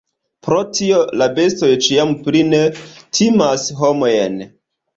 Pro tio la bestoj ĉiam pli ne timas homojn.